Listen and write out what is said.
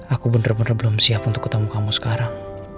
aku bener bener belum siap untuk ketemu kamu sekarang